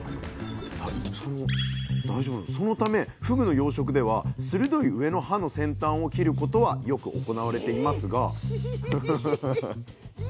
そのためふぐの養殖では鋭い上の歯の先端を切ることはよく行われていますがヒー！